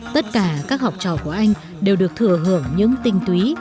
tất cả các học trò của anh đều được thừa hưởng những tinh túy